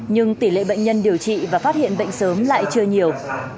nhưng tỷ lệ bệnh nhân điều trị và phát hiện bệnh sớm lại chưa nhiều